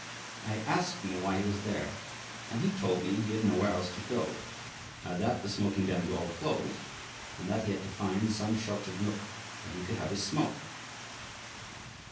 I asked him why he was there, and he told me he had nowhere else to go, now that the smoking dens were all closed, and that he had to find some sheltered nook where he could have his smoke."